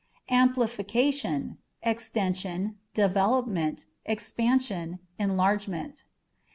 Amplificationâ€" extension, development, expansion, enlarge ment.